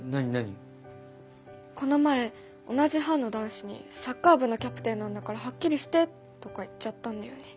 この前同じ班の男子に「サッカー部のキャプテンなんだからはっきりして」とか言っちゃったんだよね。